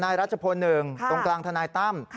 รัชพล๑ตรงกลางทนายตั้ม